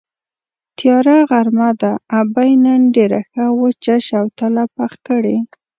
تیاره غرمه ده، ابۍ نن ډېره ښه وچه شوتله پخه کړې.